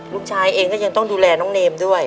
ลูกชายเองก็ยังต้องดูแลน้องเนมด้วย